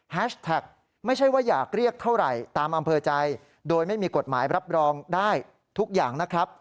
แท็กไม่ใช่ว่าอยากเรียกเท่าไหร่ตามอำเภอใจโดยไม่มีกฎหมายรับรองได้ทุกอย่างนะครับ